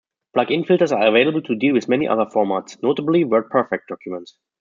Plug-in filters are available to deal with many other formats, notably WordPerfect documents.